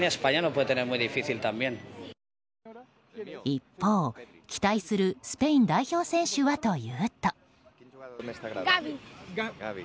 一方、期待するスペイン代表選手はというと？